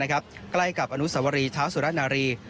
ใกล้กับอนุสวรีเท้าสุรนารี